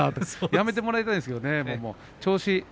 やめてもらいたいですけどもね。